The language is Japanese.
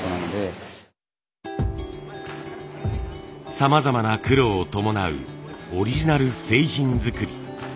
さまざまな苦労を伴うオリジナル製品作り。